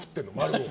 ○を。